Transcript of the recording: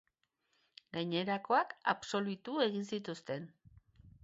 Gainerakoak absolbitu egin zituzten.